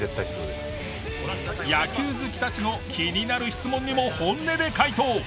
野球好きたちの気になる質問にも本音で回答。